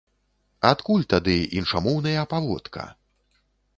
Адкуль тады іншамоўныя паводка?